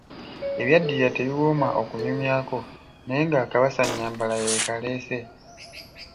Ebyaddirira tebiwooma okunyumyako, naye ng‘akabasa nnyambala yeekaleese.